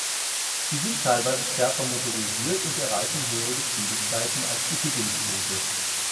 Sie sind teilweise stärker motorisiert und erreichen höhere Geschwindigkeiten als die Higgins-Boote.